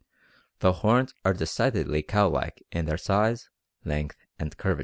The horns are decidedly cow like in their size, length, and curvature.